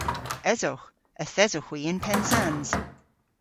Esowgh. Yth esowgh hwi yn Pennsans.